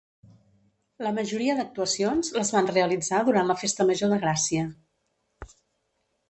La majoria d'actuacions les van realitzar durant la Festa Major de Gràcia.